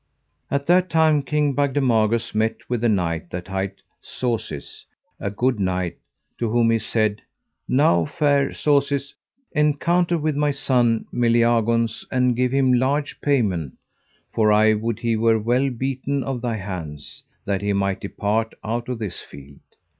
At that time King Bagdemagus met with a knight that hight Sauseise, a good knight, to whom he said: Now fair Sauseise, encounter with my son Meliagaunce and give him large payment, for I would he were well beaten of thy hands, that he might depart out of this field.